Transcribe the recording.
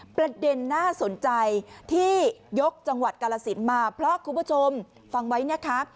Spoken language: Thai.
ประเด็นน่าสนใจที่ยกจังหวัดกาลสินมาเพราะคุณผู้ชมฟังไว้นะคะ